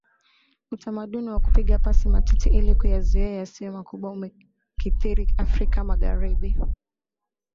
Utamaduni wa kupiga pasi matiti ili kuyazuia yasiwe makubwa umekithiri Afrika Magharibi